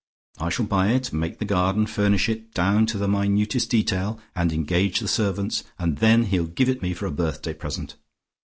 I shall buy it, make the garden, furnish it, down to the minutest detail, and engage the servants, and then he'll give it me for a birthday present.